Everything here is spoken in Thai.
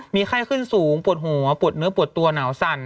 มีไข้ขึ้นสูงปวดหัวปวดเนื้อปวดตัวหนาวสั่น